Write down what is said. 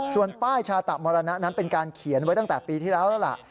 ส่วนป้ายชาตะมรณะนั้นเป็นการเขียนไว้ตั้งแต่ปีที่แล้วแล้วล่ะ